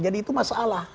jadi itu masalah